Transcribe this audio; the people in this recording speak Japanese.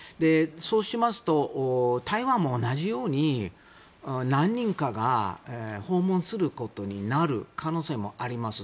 そうしますと、台湾も同じように何人かが訪問することになる可能性もあります。